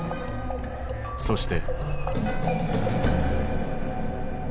そして。